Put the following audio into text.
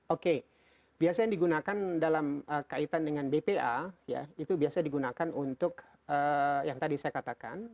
oke biasa yang digunakan dalam kaitan dengan bpa ya itu biasa digunakan untuk yang tadi saya katakan